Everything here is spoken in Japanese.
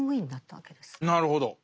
なるほど。